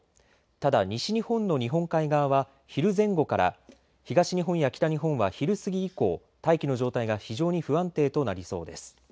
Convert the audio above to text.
ただ、西日本の日本海側は昼前後から東日本や北日本は昼過ぎ以降大気の状態が非常に不安定となりそうです。